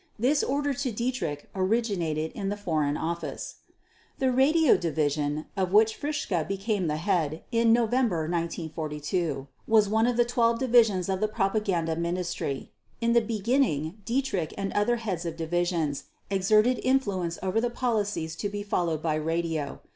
This order to Dietrich originated in the Foreign Office. The Radio Division, of which Fritzsche became the head in November 1942, was one of the 12 divisions of the Propaganda Ministry. In the beginning Dietrich and other heads of divisions exerted influence over the policies to be followed by radio.